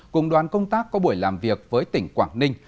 cùng đoàn công tác có buổi làm việc với tỉnh quảng ninh